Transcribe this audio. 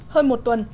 hơn một tuần